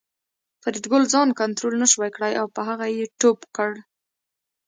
فریدګل ځان کنترول نشو کړای او په هغه یې ټوپ کړ